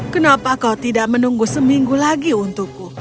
kenapa kau tidak menunggu seminggu lagi untukku